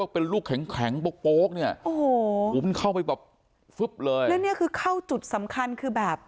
เป็นลูกแข็งแข็งโป๊กเนี่ยโอ้โหมันเข้าไปแบบฟึ๊บเลยแล้วเนี่ยคือเข้าจุดสำคัญคือแบบ